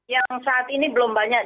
yang saat ini belum banyak